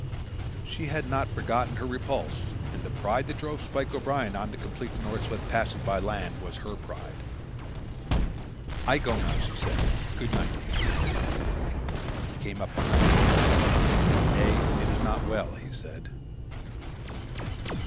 She had not forgotten her repulse, and the pride that drove Spike O'Brien on to complete the North West Passage by land was her pride. "I go now," she said; "good night, Neil." But he came up behind her. "Nay, it is not well," he said.